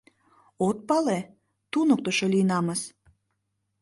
— От пале, туныктышо лийынамыс.